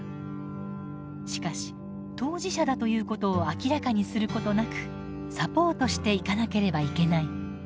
しかし当事者だということを明らかにすることなくサポートしていかなければいけない。